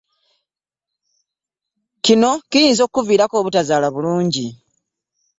Kino kirinza okukuviirako obutazaala bulungi.